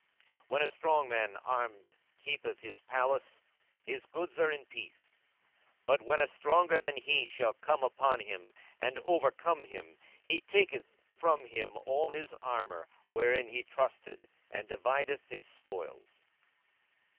42:011:021 When a strong man armed keepeth his palace, his goods are in peace: 42:011:022 But when a stronger than he shall come upon him, and overcome him, he taketh from him all his armour wherein he trusted, and divideth his spoils.